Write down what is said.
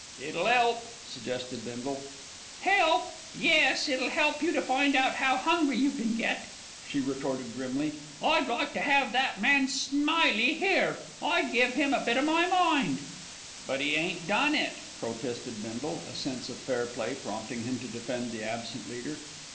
"It'll 'elp," suggested Bindle. "Help! Yes, it'll help you to find out how hungry you can get," she retorted grimly. "I'd like to have that man Smillie here, I'd give him a bit of my mind." "But 'e ain't done it," protested Bindle, a sense of fair play prompting him to defend the absent leader.